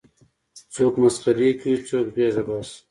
څوک مسخرې کوي څوک غېږه باسي.